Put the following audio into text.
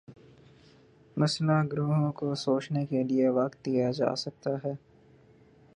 مسلح گروہوں کو سوچنے کے لیے وقت دیا جا سکتا ہے۔